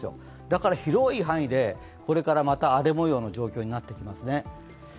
だから広い範囲でこれからまた荒れもようの状況になってきます。